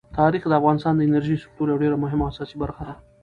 تاریخ د افغانستان د انرژۍ د سکتور یوه ډېره مهمه او اساسي برخه ده.